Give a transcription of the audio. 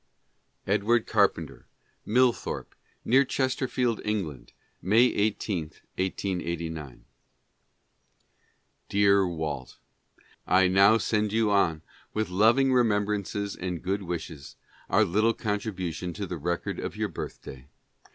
Edward Carpenter: Millihorpe, near Chesterfield, England, May 18, 1889. Dear Walt ;— I now send you on with loving remembrances and good wishes, our little contribution to the record of your birth day